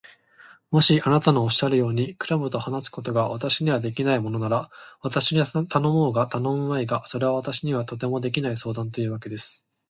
もしあなたのおっしゃるように、クラムと話すことが私にはできないものなら、私に頼もうが頼むまいが、それは私にはとてもできない相談というわけです。